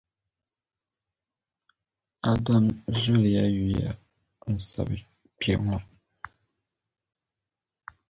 Adam zuliya yuya n-sab’ kpe ŋɔ.